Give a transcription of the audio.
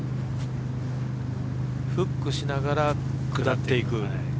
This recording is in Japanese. フックしながら下っていく。